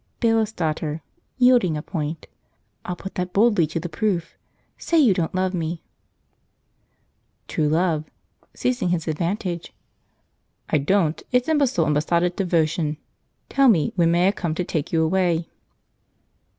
Bailiff's Daughter (yielding a point). "I'll put that boldly to the proof. Say you don't love me!" True Love (seizing his advantage). "I don't! It's imbecile and besotted devotion! Tell me, when may I come to take you away?"